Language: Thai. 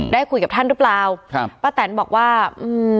ได้คุยกับท่านหรือเปล่าครับป้าแตนบอกว่าอืม